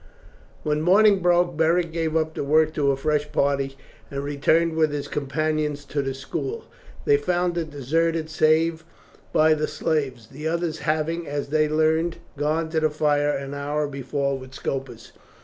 When morning broke, Beric gave up the work to a fresh party and returned with his companions to the school. They found it deserted, save by the slaves, the others having, as they learned, gone to the fire an hour before with Scopus.